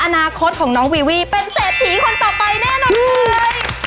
อนาคตของน้องวีวี่เป็นเศรษฐีคนต่อไปแน่นอนเลย